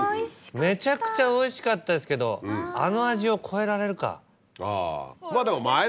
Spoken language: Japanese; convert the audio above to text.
めちゃくちゃおいしかったですけどあの味を超えられるか。